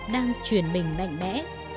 đang chuyển mình mạnh mẽ